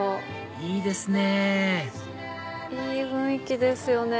いいですねぇいい雰囲気ですよね。